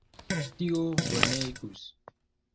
Tio bonegus!